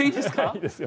いいですよ。